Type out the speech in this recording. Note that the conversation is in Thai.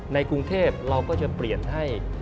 ในกรุงเทพเราก็จะเปลี่ยนให้